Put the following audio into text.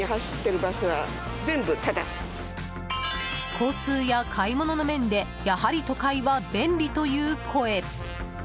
交通や買い物の面でやはり都会は便利という声。